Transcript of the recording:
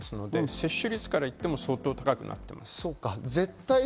接種率から言っても相当高くなっています。